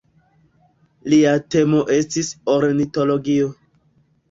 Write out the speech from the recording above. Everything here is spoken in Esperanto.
Lia temo estis ornitologio.